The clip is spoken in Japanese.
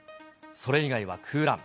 それ以外は空欄。